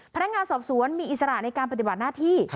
พนักงานสอบสวนมีอิสระในการปฏิบัติหน้าที่